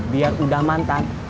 biar udah mantan